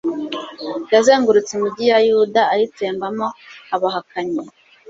yazengurutse imigi ya yuda ayitsembamo abahakanyi